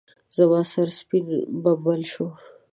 زما سر سپين بمبل شو.